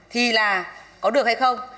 thì là có được hay không